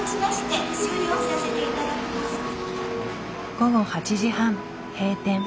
午後８時半閉店。